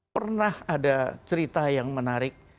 pernah ada cerita yang menarik